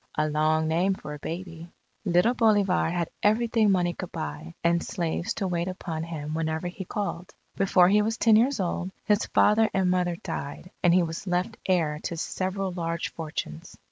A long name for a baby. Little Bolivar had everything money could buy, and slaves to wait upon him whenever he called. Before he was ten years old, his father and mother died and he was left heir to several large fortunes.